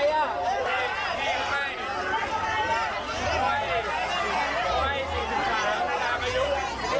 ปี๔๕ตอนอายุ